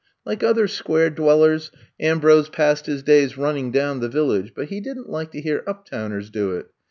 Like other Square dwellers, Ambrose passed his days running down the Village, but he did n 't like to hear uptowners do it.